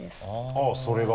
あっそれが？